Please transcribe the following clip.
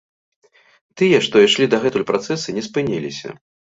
Тыя, што ішлі дагэтуль працэсы, не спыніліся.